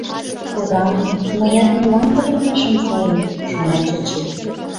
«Эх, ораде, мыят молан пырля ыжым кае», — шона Чачи.